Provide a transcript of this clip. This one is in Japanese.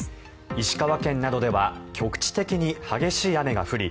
石川県などでは局地的に激しい雨が降り